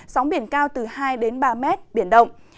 sóng biển cao từ hai ba mét biển động